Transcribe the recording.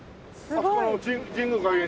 あそこの神宮外苑？